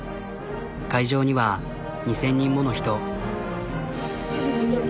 会場には２、０００人もの人。